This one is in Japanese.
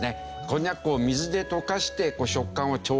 こんにゃく粉を水で溶かして食感を調整した。